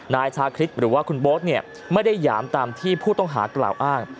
นายชาคริสหรือว่าคุณโบ๊ทไม่ได้หยามตามที่ผู้ต้องหากล่าวอ้าง